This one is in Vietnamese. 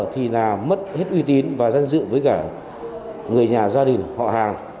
thì là mất hết uy tín và danh dự với cả người nhà gia đình họ hàng